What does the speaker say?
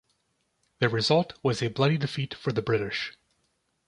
The result was a bloody defeat for the British.